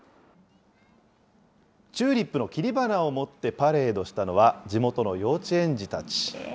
チューリップの切り花を持ってパレードしたのは地元の幼稚園児たち。